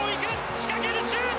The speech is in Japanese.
仕掛ける、シュート！